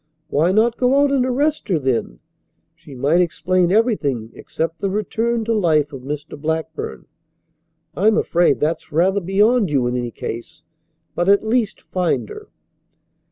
Why not go out and arrest her then? She might explain everything except the return to life of Mr. Blackburn. I'm afraid that's rather beyond you in any case. But at least find her."